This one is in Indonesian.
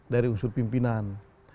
dari usur pimpinan